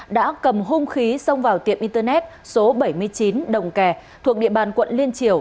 đã cầm hung khí xông vào tiệm internet số bảy mươi chín đồng kè thuộc địa bàn quận liên triều